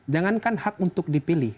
jangankan hak untuk dipilih